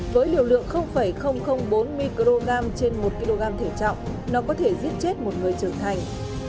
với liều lượng bốn microgram trên một kg thể trọng nó có thể giết chết một người trưởng thành